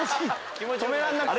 止めらんなくて。